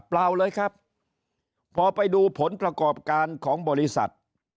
เปล่าเลยครับพอไปดูผลประกอบการของบริษัท